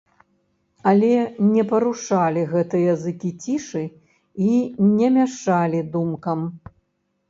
Але не парушалі гэтыя зыкі цішы і не мяшалі думкам.